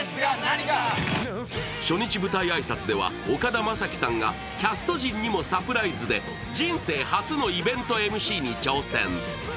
初日舞台挨拶では岡田将生さんがキャスト陣にもサプライズで人生初のイベントＭＣに挑戦。